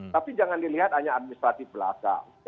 tapi jangan dilihat hanya administratif belaka